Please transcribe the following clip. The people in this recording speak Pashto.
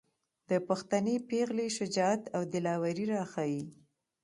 د پښتنې پېغلې شجاعت او دلاوري راښايي.